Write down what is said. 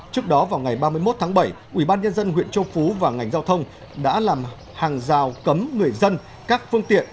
trước đó vào ngày ba mươi một tháng bảy ubnd huyện châu phú và ngành giao thông đã làm hàng rào cấm người dân các phương tiện